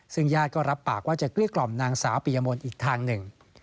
ซึ่งญาติก็รับปากว่าจะเกลี้ยกล่อมนางสาวปียมนต์อีกทางหนึ่ง